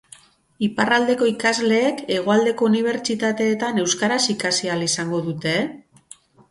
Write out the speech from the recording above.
Iparraldeko ikasleek hegoaldeko unibertsitateetan euskaraz ikasi ahal izango dute?